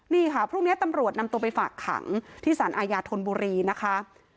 นี่ค่ะพรุ่งนี้ตำรวจนำตัวไปฝากขังที่สารอาญาธนบุรีนะคะ